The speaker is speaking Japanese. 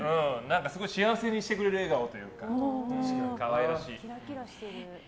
すごい幸せにしてくれる笑顔というか可愛らしい。